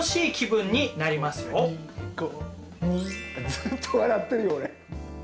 ずっと笑ってるよ俺。